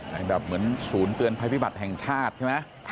ให้แบบเหมือนศูนย์เตือนภัยพิบัติแห่งชาติใช่ไหม